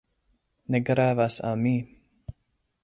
Ne gravas al mi.